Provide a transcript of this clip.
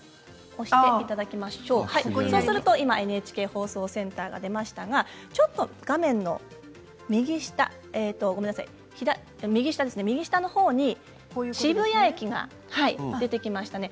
そうすると今いるＮＨＫ放送センターが出ましたが画面の右下のほうに渋谷駅が出てきましたね。